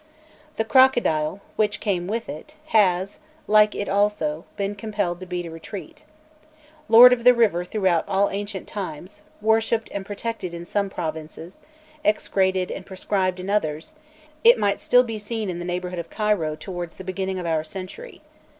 The crocodile, which came with it, has, like it also, been compelled to beat a retreat. Lord of the river throughout all ancient times, worshipped and protected in some provinces, execrated and proscribed in others, it might still be seen in the neighbourhood of Cairo towards the beginning of our century.